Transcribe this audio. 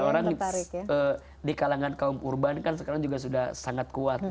orang di kalangan kaum urban kan sekarang juga sudah sangat kuat